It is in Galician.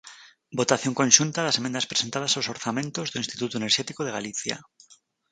Votación conxunta das emendas presentadas aos orzamentos do Instituto Enerxético de Galicia.